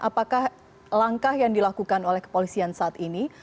apakah langkah yang dilakukan oleh kepolisian saat ini